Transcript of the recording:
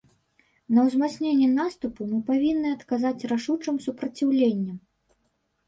На ўзмацненне наступу мы павінны адказаць рашучым супраціўленнем.